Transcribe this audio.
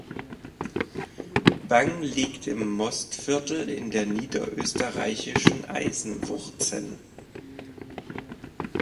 Wang liegt im Mostviertel in der niederösterreichischen Eisenwurzen.